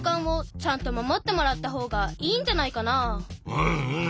うんうん。